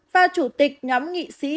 và chủ tịch nhóm nghị sĩ